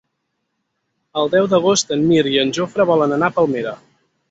El deu d'agost en Mirt i en Jofre volen anar a Palmera.